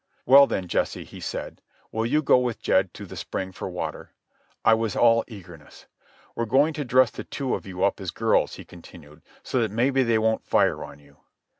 "Well, then, Jesse," he said, "will you go with Jed to the spring for water?" I was all eagerness. "We're going to dress the two of you up as girls," he continued, "so that maybe they won't fire on you."